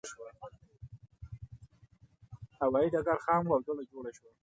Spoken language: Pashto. هوایي ډګر خام و او دوړه جوړه شوه.